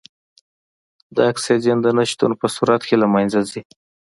د اکسیجن د نه شتون په صورت کې له منځه ځي.